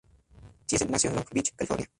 Thiessen nació en Long Beach, California.